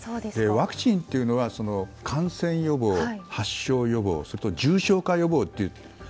ワクチンというのは感染予防、発症予防それと重症化予防という。